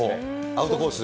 アウトコース